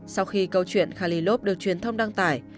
sau khi câu chuyện khalylov được truyền thông đăng tải